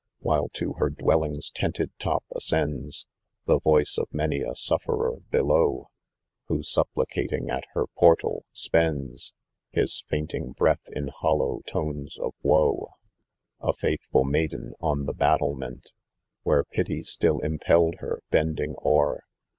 â– \Vhile to her dwellings trated top ascends The soice of many a sufferer below, Vho, supplicating at her portal, spends His toting breath, ia hollos. una of woe. 11 A faithful maiden on the battlement, â– Where pity still impelled her, bending o'er.